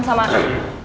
sama siapa cit